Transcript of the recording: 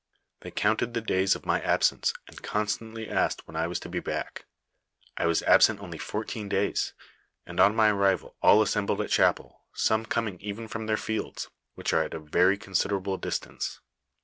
They counted the days of my absence, and constantly asked when I was to be back ; I was absent only fourteen days, and on my arrival all assem bled at chapel, some coming even from their fields, which are at a very considerable distance.